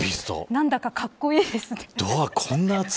何だかかっこいいですね。